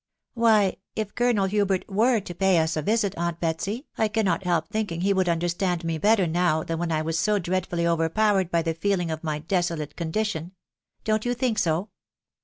" Why, if Colonel Hubert were to pay us a visit, aunt Betsy, I cannot Kelp thinking he would: understand me better now than when I was so dreadfully overpowered by the feeling of my desolate condition Don't you think so